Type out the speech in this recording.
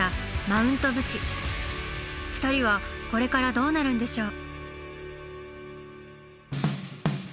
２人はこれからどうなるんでしょう？